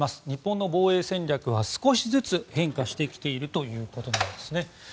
日本の防衛戦略は少しずつ変化してきているということです。